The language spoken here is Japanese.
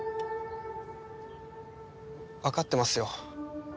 わかってますよ。